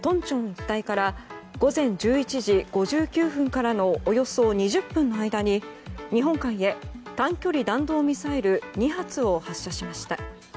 一帯から午前１１時５９分からのおよそ２０分の間に日本海へ、短距離弾道ミサイル２発を発射しました。